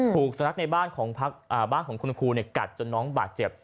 ถูกสุนัขในบ้านของคุณครูกัดจนน้องบาดเจ็บ